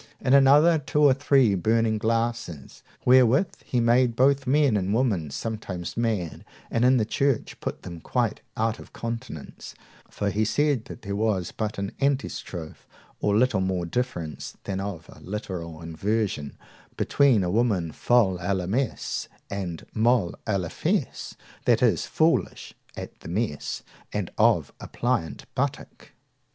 In another, two or three burning glasses, wherewith he made both men and women sometimes mad, and in the church put them quite out of countenance; for he said that there was but an antistrophe, or little more difference than of a literal inversion, between a woman folle a la messe and molle a la fesse, that is, foolish at the mass and of a pliant buttock.